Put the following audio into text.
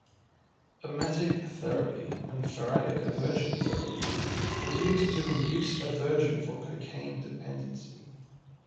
Emetic therapy and faradic aversion therapy is used to induce aversion for cocaine dependency.